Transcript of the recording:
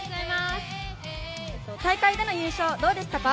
大会での優勝、どうでしたか？